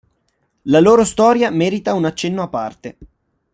La loro storia merita un accenno a parte.